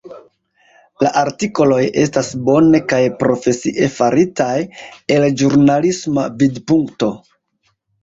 La artikoloj estas bone kaj profesie faritaj el ĵurnalisma vidpunkto.